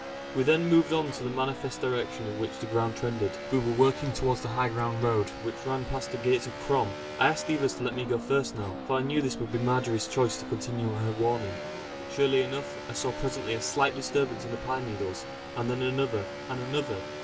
We then moved on in the manifest direction in which the ground trended; we were working towards the high road which ran past the gates of Crom. I asked the others to let me go first now, for I knew this would be Marjory's chance to continue her warning. Surely enough, I saw presently a slight disturbance in the pine needles, and then another and another.